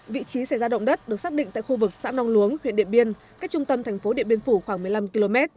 vị trí xảy ra động đất được xác định tại khu vực xã nong luống huyện điện biên cách trung tâm thành phố điện biên phủ khoảng một mươi năm km